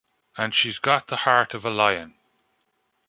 And she's got the heart of a lion.